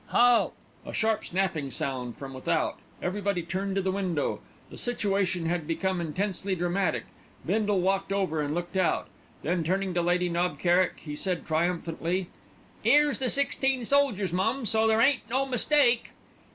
"Halt!" A sharp snapping sound from without. Everybody turned to the window. The situation had become intensely dramatic. Bindle walked over, and looked out. Then turning to Lady Knob Kerrick he said triumphantly: "'Ere's the sixteen soldiers, mum, so there ain't no mistake."